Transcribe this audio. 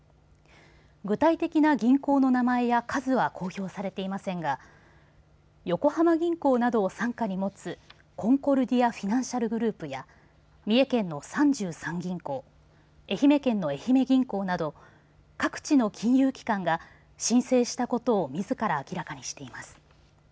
具体的な銀行の名前や数は公表されていませんが横浜銀行などを傘下に持つコンコルディア・フィナンシャルグループや三重県の三十三銀行愛媛県の愛媛銀行など各地の金融機関が申請したことをみずから明らかにしています。